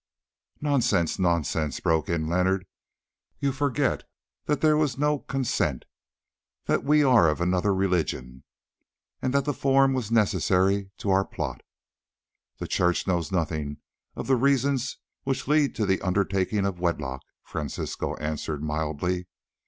"Nonsense, nonsense," broke in Leonard; "you forget that there was no consent; that we are of another religion, and that the form was necessary to our plot." "The Church knows nothing of the reasons which lead to the undertaking of wedlock," Francisco answered mildly.